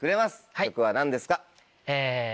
曲は何ですか？